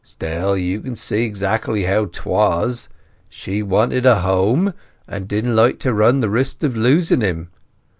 "Still, you can see exactly how 'twas. She wanted a home, and didn't like to run the risk of losing him.